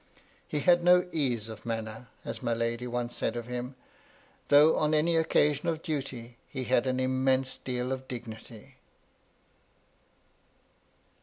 He had no ease of manner, as my lady once said of him, though on any occasion of duty, he had an immense deal of dignity.